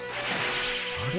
あれ？